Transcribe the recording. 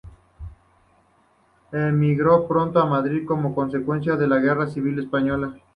Emigró pronto a Madrid como consecuencia de la Guerra Civil Española.